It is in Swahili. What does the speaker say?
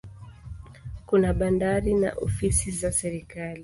Kuna bandari na ofisi za serikali.